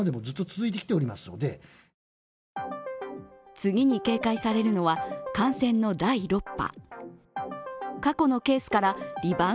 次に警戒されるのは、感染の第６波。